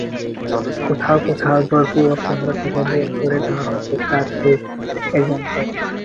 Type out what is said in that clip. কোথাও কোথাও জোরপূর্বক কেন্দ্র থেকে বের করে দেওয়া হয়েছে প্রার্থীর এজেন্টদের।